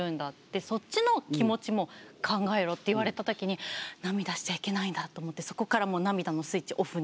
そっちの気持ちも考えろ」って言われたときに涙しちゃいけないんだと思ってそこから涙のスイッチオフにしてます。